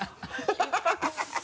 ハハハ